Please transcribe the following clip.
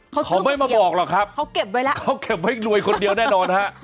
เขาไม่มาบอกหรอกครับเขาเก็บไว้ด้วยคนเดียวแน่นอนฮะ